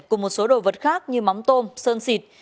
cùng một số đồ vật khác như móng tôm sơn xịt